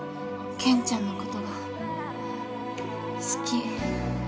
健ちゃんのことが好き。